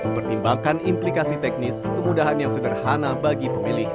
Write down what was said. pertimbangkan implikasi teknis kemudahan yang sederhana bagi pemilih